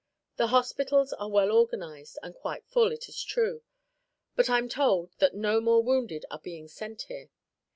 The hospitals are well organized and quite full, it is true, but I'm told that no more wounded are being sent here.